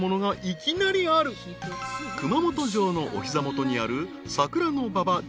［熊本城のお膝元にある］